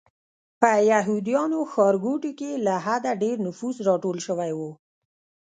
په یهودیانو ښارګوټي کې له حده ډېر نفوس راټول شوی و.